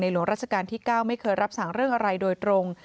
หลวงราชการที่๙ไม่เคยรับสั่งเรื่องอะไรโดยตรง